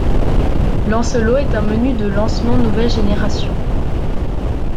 Lancelot est un menu de lancement nouvelle génération.